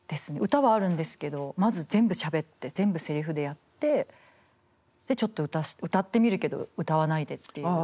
歌はあるんですけどまず全部しゃべって全部せりふでやってでちょっと歌ってみるけど歌わないでっていう。